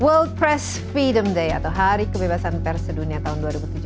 world press freedom day atau hari kebebasan pers sedunia tahun dua ribu tujuh belas